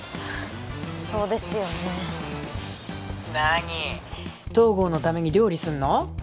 そうですよね何東郷のために料理すんの？